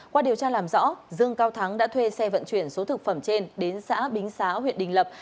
qua điều tra làm rõ dương cao thắng đã thuê xe vận chuyển số thực phẩm trên đến xã bính xá huyện đình lập